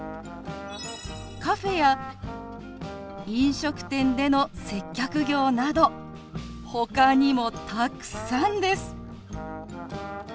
「カフェや飲食店での接客業」などほかにもたくさんです。